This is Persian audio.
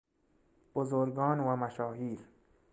بزرگان و مشاهیر